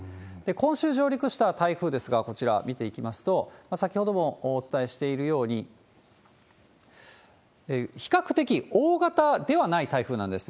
今週上陸した台風ですが、こちら見ていきますと、先ほどもお伝えしているように、比較的大型ではない台風なんです。